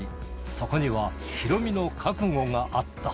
そこにはヒロミの覚悟があった。